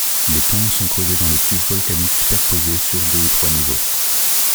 Les tombes sont creusées dans le tuf volcanique superposées sur deux ou trois niveaux.